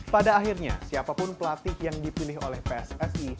pada akhirnya siapapun pelatih yang dipilih oleh pssi